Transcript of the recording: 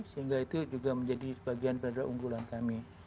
sehingga itu juga menjadi bagian daripada unggulan kami